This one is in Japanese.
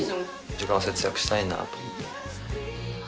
時間を節約したいなと思って。